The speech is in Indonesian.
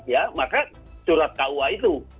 ya maka surat kua itu